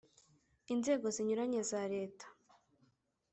inzego zinyuranye za leta;